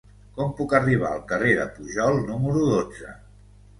Com puc arribar al carrer de Pujol número dotze?